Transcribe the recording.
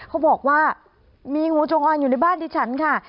เขาบอกว่ามีงูจงออนอยู่ในบ้านดิฉันค่ะ